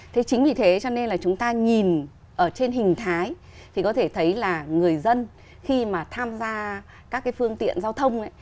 thế chính vì thế cho nên là chúng ta nhìn ở trên hình thái thì có thể thấy là người dân khi mà tham gia các cái phương tiện giao thông